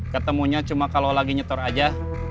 ketemunya cuma kalau lagi nyetor aja